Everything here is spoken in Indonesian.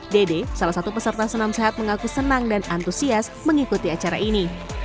dede salah satu peserta senam sehat mengaku senang dan antusias mengikuti acara ini